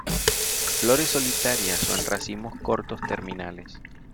Flores solitarias o en racimos cortos terminales.